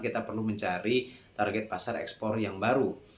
kita perlu mencari target pasar ekspor yang baru